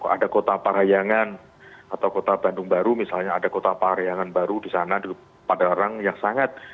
ada kota parayangan atau kota bandung baru misalnya ada kota parayangan baru di sana padalarang yang sangat